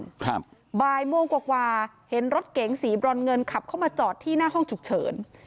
ครับบ่ายโมงกว่ากว่าเห็นรถเก๋งสีบรอนเงินขับเข้ามาจอดที่หน้าห้องฉุกเฉิน